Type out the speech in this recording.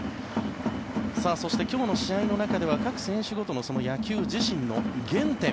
そして今日の試合の中では各選手ごとの野球、自身の原点。